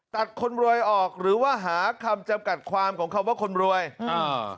ตัดคนรวยออกหรือว่าหาคำจำกัดความของคำว่าคนรวยอ่า